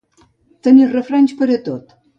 Tenir refranys per a tot.